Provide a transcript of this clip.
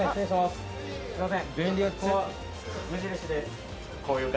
すいません